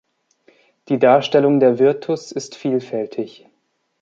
Die Darstellung der "Virtus" ist vielfältig.